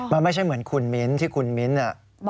มันไม่ใช่เหมือนคุณมิ้นที่คุณมิ้นท์